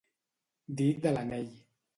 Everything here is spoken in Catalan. Dit de l'anell.